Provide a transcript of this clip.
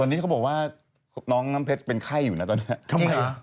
เน้อน้ำเพชรเป็นไข้อยู่นะตอนเนี้ย